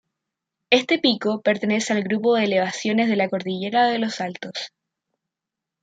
Este pico pertenece al grupo de elevaciones de la Cordillera de los Altos.